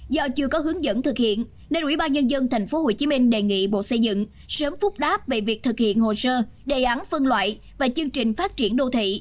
do chưa có hướng dẫn thực hiện nên ubnd tp hcm đề nghị bộ xây dựng sớm phúc đáp về việc thực hiện hồ sơ đề án phân loại và chương trình phát triển đô thị